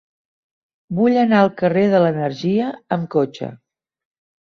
Vull anar al carrer de l'Energia amb cotxe.